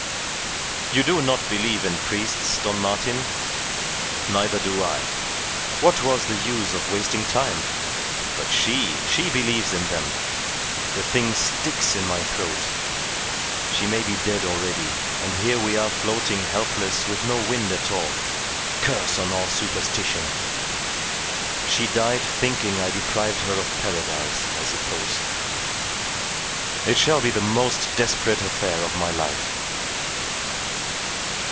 "You do not believe in priests, Don Martin? Neither do I. What was the use of wasting time? But she she believes in them. The thing sticks in my throat. She may be dead already, and here we are floating helpless with no wind at all. Curse on all superstition. She died thinking I deprived her of Paradise, I suppose. It shall be the most desperate affair of my life."